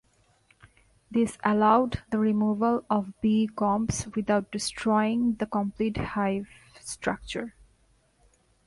This allowed the removal of bee combs without destroying the complete hive structure.